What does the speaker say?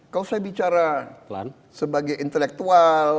kalau saya bicara sebagai intelektual